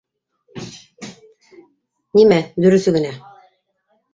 - Нимә «дөрөҫө генә»?